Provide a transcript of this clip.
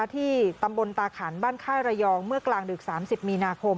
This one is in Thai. ที่ตำบลตาขันบ้านค่ายระยองเมื่อกลางดึก๓๐มีนาคม